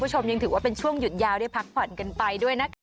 ฮ่า